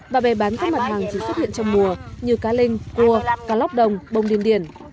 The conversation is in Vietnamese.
và bè bán các mặt hàng gì xuất hiện trong mùa như cá linh cua cá lóc đồng bông điền điền